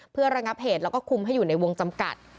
เพื่อระงับเหตุแล้วก็คุมให้อยู่ในวงจำกัด